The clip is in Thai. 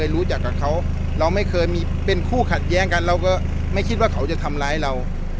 เราก็ไม่คิดว่าเขาจะทำร้ายเรา